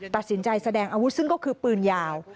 ตัดสินใจแสดงอาวุธซึ่งก็คือปืนยาว